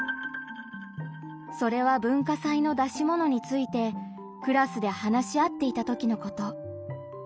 それは文化祭の出し物についてクラスで話し合っていた時のこと。